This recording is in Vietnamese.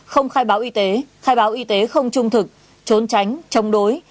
không khai báo y tế khai báo y tế không trung thực trốn tránh chống đối